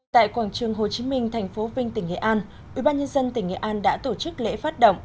tại quảng trường hồ chí minh thành phố vinh tỉnh nghệ an ubnd tỉnh nghệ an đã tổ chức lễ phát động